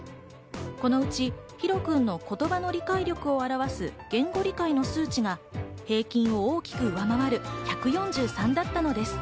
このうちヒロくんの言葉の理解力を表す、言語理解の数値が平均を大きく上回る１４３だったのです。